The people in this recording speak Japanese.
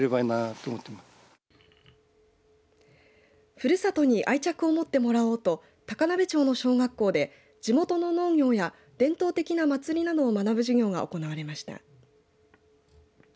ふるさとに愛着を持ってもらおうと高鍋町の小学校で地元の農業や伝統的な祭りなどを学ぶ授業が行われました。